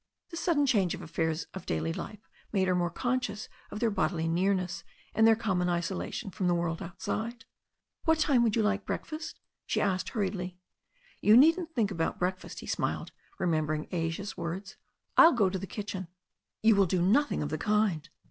His sudden change to the affairs of daily life made her more conscious of their bodily nearness and their common isolation from the world outside. THE STORY OF A NEW ZEALAND RIVER 157 "What time would you like breakfast?" she asked hur riedly. "You needn't think about breakfast," he smiled, remem bering Asia's words. "I'll go to the kitchen." "You will do nothing of the kind."